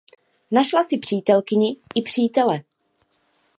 Našla si přítelkyni i přítele.